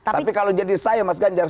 tapi kalau jadi saya mas ganjar